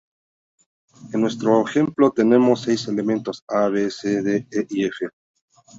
En nuestro ejemplo, tenemos seis elementos {a} {b} {c} {d} {e} y {f}.